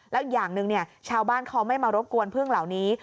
และอย่างนึงเนี่ยชาวบ้านเขาไม่มารบกวนผึ้งเหล่านี้